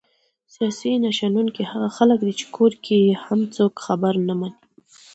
سیاسي شنونکي هغه خلک دي چې کور کې یې هم څوک خبره نه مني!